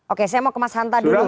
oke saya mau ke mas hanta dulu